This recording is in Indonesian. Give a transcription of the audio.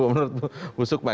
menurut bu sukma